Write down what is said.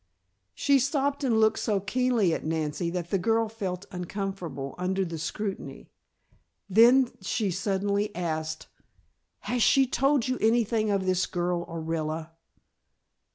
She stopped and looked so keenly at Nancy that the girl felt uncomfortable under the scrutiny. Then she suddenly asked: "Has she told you anything of this girl, Orilla?"